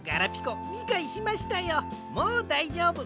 もうだいじょうぶ。